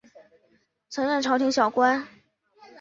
曾任朝廷小官。